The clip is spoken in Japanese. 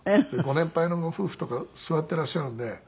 ご年配のご夫婦とか座っていらっしゃるんで。